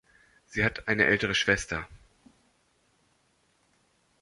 Sie hat eine ältere Schwester.